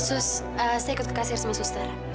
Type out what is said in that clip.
sus saya ikut ke kasir sama suster